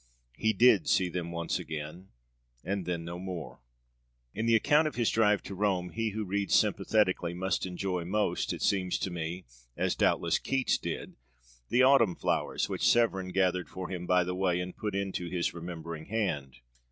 He did see them once again, and then no more. In the account of his drive to Rome, he who reads sympathetically must enjoy most, it seems to me, as doubtless Keats did, the autumn flowers which Severn gathered for him by the way and put into his remembering hand.